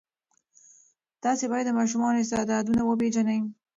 تاسې باید د ماشومانو استعدادونه وپېژنئ.